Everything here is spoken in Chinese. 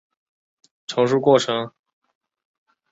但目前的文献尚不能确切地描述摩西五经的成书过程。